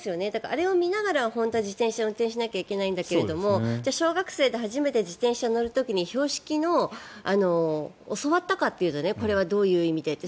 あれを見ながら本当は自転車を運転しないといけないんだけど小学生で初めて自転車を乗る時に標識の、教わったかっていうとこれはどういう意味でって。